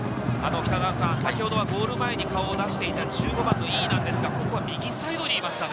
先ほどゴール前に顔を出していた１５番の井伊なんですが、ここは右サイドにいましたね。